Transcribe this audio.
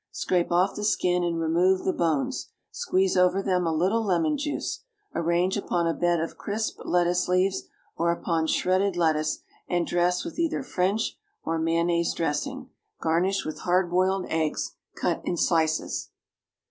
Scrape off the skin and remove the bones; squeeze over them a little lemon juice. Arrange upon a bed of crisp lettuce leaves, or upon shredded lettuce, and dress with either French or mayonnaise dressing. Garnish with hard boiled eggs cut in slices.